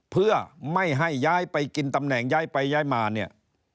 เพื่อไม่ให้ย้ายไปกินตำแหน่งย้ายไปย้ายมาเนี่ย